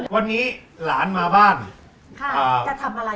วั้งไหนต้องให้มัด